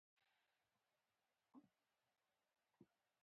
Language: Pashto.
معلومات نشته،